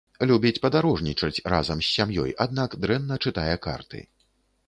Любіць падарожнічаць разам з сям'ёй, аднак дрэнна чытае карты.